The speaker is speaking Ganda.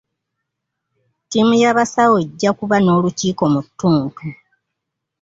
Ttiimu y'abasawo ejja kuba n'olukiiko mu ttuntu.